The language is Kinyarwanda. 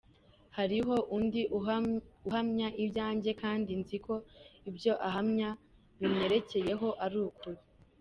Hariho Undi uhamya ibyanjye, kandi nzi ko ibyo ahamya binyerekeyeho ari ukuri.